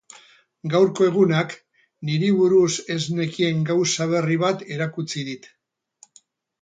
Gaurko egunak niri buruz ez nekien gauza berri bat erakutsi dit.